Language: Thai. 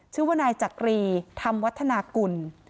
ชื่อว่านายจักรีธรรมวัฒนากุล